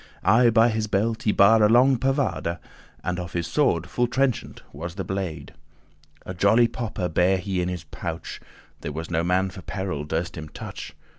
*shoot Aye by his belt he bare a long pavade*, *poniard And of his sword full trenchant was the blade. A jolly popper* bare he in his pouch; *dagger There was no man for peril durst him touch.